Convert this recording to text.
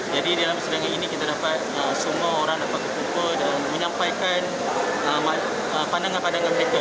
jadi di dalam persidangan ini kita dapat semua orang dapat berkumpul dan menyampaikan pandangan pandangan mereka